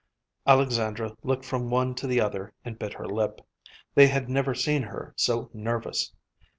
Alexandra looked from one to the other and bit her lip. They had never seen her so nervous.